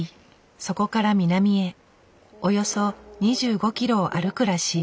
そこから南へおよそ２５ｋｍを歩くらしい。